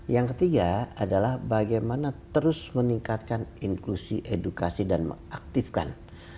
yang ketiga adalah bagaimana terus meningkatkan inklusi edukasi dan mengaktifkan